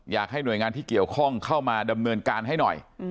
อยากให้หน่วยงานที่เกี่ยวข้องเข้ามาดำเนินการให้หน่อย